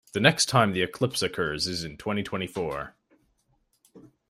The next time the eclipse occurs is in twenty-twenty-four.